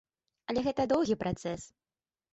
Але гэта доўгі працэс.